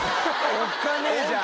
おっかねえじゃん。